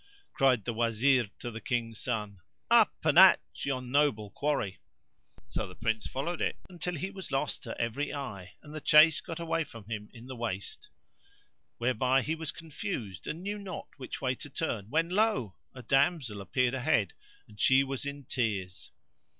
Cried the Wazir to the King's son, "Up and at yon noble quarry!" So the Prince followed it until he was lost to every eye and the chase got away from him in the waste; whereby he was confused and he knew not which way to turn, when lo! a damsel appeared ahead and she was in tears.